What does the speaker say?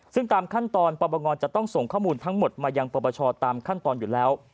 ซึ่งตามขั้นตอนปปงจะต้องส่งข้อมูลทั้งหมดมายังปรปชตามขั้นตอนอยู่แล้ว